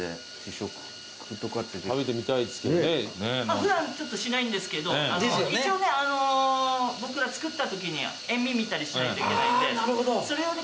普段ちょっとしないんですけど一応ね僕ら作ったときに塩味見たりしないといけないんでそれをね